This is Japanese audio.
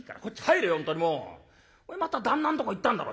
お前また旦那んとこ行ったんだろ。